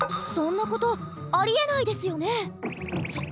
そんなことありえないですよね？